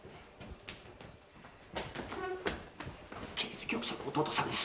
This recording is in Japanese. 刑事局長の弟さんです。